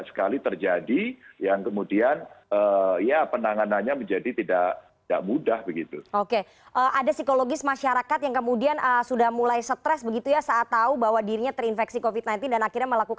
selamat sore mbak rifana